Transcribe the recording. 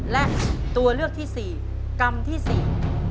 และตัวเลือกที่๔กรัมที่๔